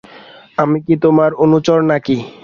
আমি কি তোমার অনুচর নাকি?